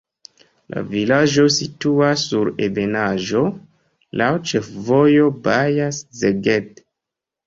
La vilaĝo situas sur ebenaĵo, laŭ ĉefvojo Baja-Szeged.